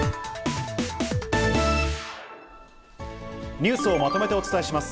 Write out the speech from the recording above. ニュースをまとめてお伝えします。